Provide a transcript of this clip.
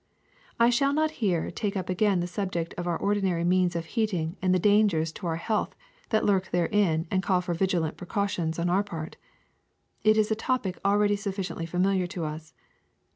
I shall not here take up again the subject of our ordinary means of heating and the dangers to our health that lurk therein and call for vigilant precau tions on our part. It is a topic already sufficiently familiar to us.